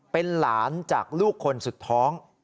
เป็นหลานจากลูกคนสุดท้อง